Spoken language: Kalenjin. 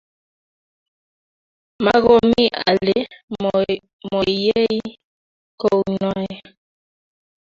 maakomii ale moiiyei kounoe